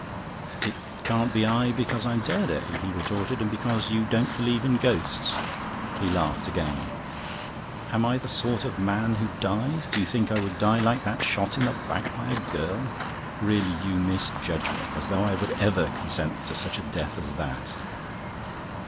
"It can't be I, because I'm dead, eh?" he retorted. "And because you don't believe in ghosts." He laughed again. "Am I the sort of man who dies? Do you think I would die like that, shot in the back by a girl? Really, you misjudge me! As though I would ever consent to such a death as that!"